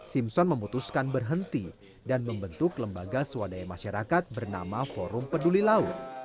simpson memutuskan berhenti dan membentuk lembaga swadaya masyarakat bernama forum peduli laut